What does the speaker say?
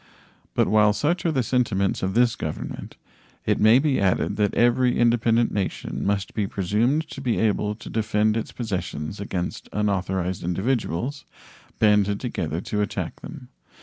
But while such are the sentiments of this Government, it may be added that every independent nation must be presumed to be able to defend its possessions against unauthorized individuals banded together to attack them.